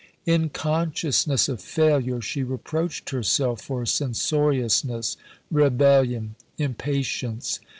In consciousness of failure, she reproached herself for censoriousness, rebellion, impatience.